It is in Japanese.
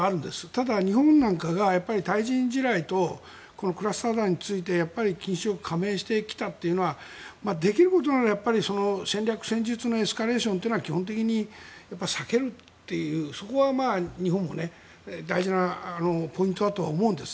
ただ、日本なんかが対人地雷とこのクラスター弾についてやっぱり禁止条約に加盟してきたというのはできることなら戦略、戦術のエスカレーションというのは基本的に避けるというそれは日本大事のポイントだと思うんです。